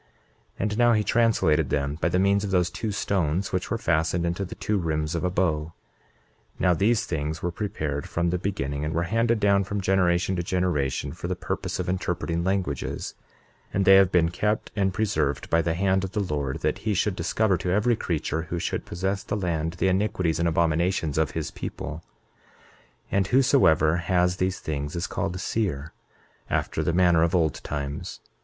28:13 And now he translated them by the means of those two stones which were fastened into the two rims of a bow. 28:14 Now these things were prepared from the beginning, and were handed down from generation to generation, for the purpose of interpreting languages; 28:15 And they have been kept and preserved by the hand of the Lord, that he should discover to every creature who should possess the land the iniquities and abominations of his people; 28:16 And whosoever has these things is called seer, after the manner of old times.